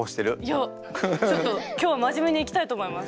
いやちょっと今日は真面目にいきたいと思います。